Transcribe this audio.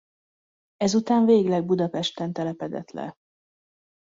Ezután végleg Budapesten telepedett le.